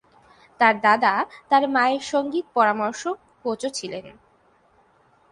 তার দাদা তাঁর মায়ের সংগীত পরামর্শক/কোচও ছিলেন।